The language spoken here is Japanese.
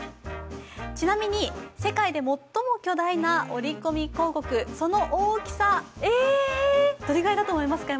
ちなみに、世界で最も巨大な折り込み広告、その大きさ、どれぐらいだと思いますか？